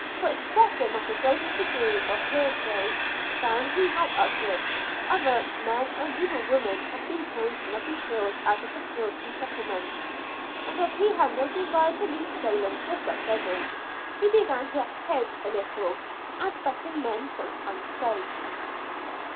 For expressing not a greater degree of heresy than he had uttered, other men and even women had been turned neck and heels out of the Puritan settlements. And as he had no desire to leave Salem just at present, he began to "hedge" a little, as betting men sometimes say.